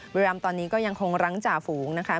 บุรีรำตอนนี้ก็ยังคงรั้งจ่าฝูงนะคะ